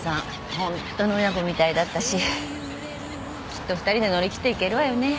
ホントの親子みたいだったしきっと２人で乗り切っていけるわよね。